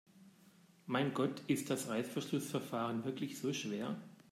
Mein Gott, ist das Reißverschlussverfahren wirklich so schwer?